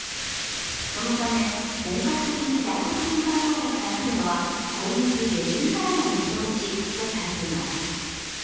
そのため、本格的に外国人観光客が来るのは今月下旬からの見通しとされています。